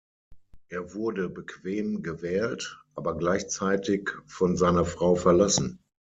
Er wurde bequem gewählt, aber gleichzeitig von seiner Frau verlassen.